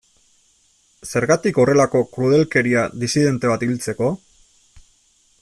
Zergatik horrelako krudelkeria disidente bat hiltzeko?